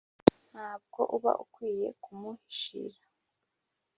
ntabwo uba ukwiye kumuhishira